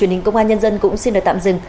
truyền hình công an nhân dân cũng xin được tạm dừng